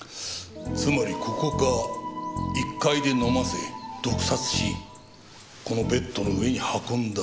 つまりここか１階で飲ませ毒殺しこのベッドの上に運んだ。